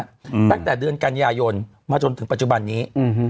ตั้งแต่เดือนกันยายนมาจนถึงปัจจุบันนี้อืม